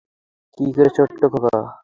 কীরে, ছোট্ট খোকা!